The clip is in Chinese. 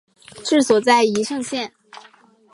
治所在宜盛县。